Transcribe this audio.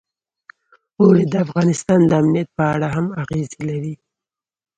اوړي د افغانستان د امنیت په اړه هم اغېز لري.